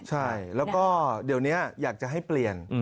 ใช่แล้วก็เดี๋ยวนี้อยากจะให้เปลี่ยน